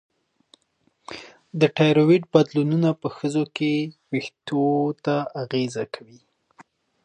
د تایروییډ بدلونونه په ښځو کې وېښتو ته اغېزه کوي.